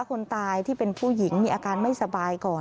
คนตายที่เป็นผู้หญิงมีอาการไม่สบายก่อน